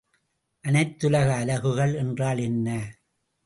அனைத்துலக அலகுகள் என்றால் என்ன?